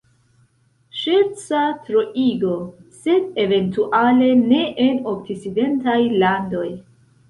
Ŝerca troigo – sed eventuale ne en okcidentaj landoj.